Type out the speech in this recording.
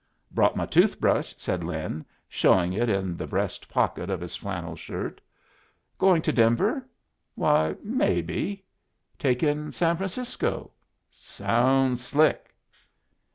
"Brought my tooth brush," said Lin, showing it in the breast pocket of his flannel shirt. "Going to Denver?" "Why, maybe." "Take in San Francisco?" "Sounds slick."